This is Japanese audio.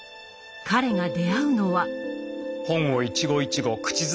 彼が出会うのは。